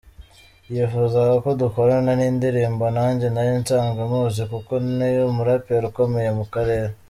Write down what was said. Yifuzaga ko dukorana indirimbo, nanjye nari nsanzwe muzi kuko ni umuraperi ukomeye mu karere.